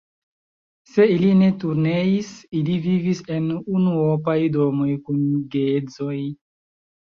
Se ili ne turneis, ili vivis en unuopaj domoj kun geedzoj.